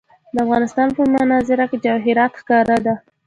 د افغانستان په منظره کې جواهرات ښکاره ده.